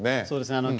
そうですね。